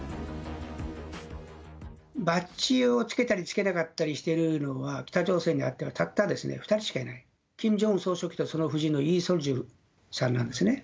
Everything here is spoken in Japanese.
バッジをつけたりつけなかったりしているのは、北朝鮮にはたった２人しかいない、キム・ジョンウンとその夫人のリ・ソルジュさんなんですね。